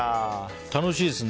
楽しいですね。